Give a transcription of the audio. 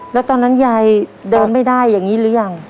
แล้วตอนนั้นยายเดินไม่ได้อย่างนี้หรือยัง